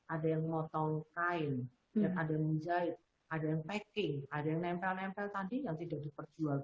ada yang motong kain dan ada yang menjahit ada yang packing ada yang nempel nempel tadi yang tidak diperjual